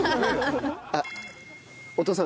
あっお父さん